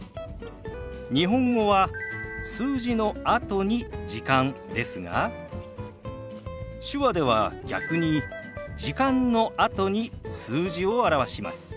日本語は数字のあとに「時間」ですが手話では逆に「時間」のあとに数字を表します。